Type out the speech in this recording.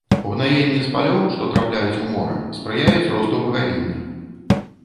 Угнаенні з палёў, што трапляюць у мора, спрыяюць росту багавіння.